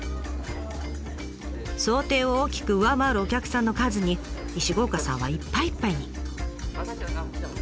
想定を大きく上回るお客さんの数に石郷岡さんはいっぱいいっぱいに。